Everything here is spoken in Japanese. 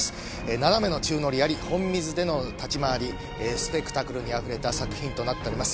斜めの宙乗りあり本水での立ちまわりスペクタクルにあふれた作品となっております